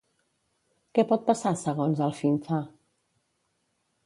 Què pot passar segons Alphyntha?